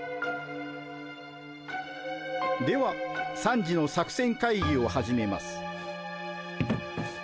では３時の作戦会議を始めます。